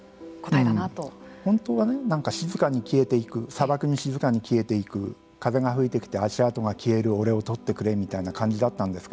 本当はね何か静かに消えていく砂漠に静かに消えていく風が吹いてきて足跡が消える俺を撮ってくれみたいな感じだったんですけど。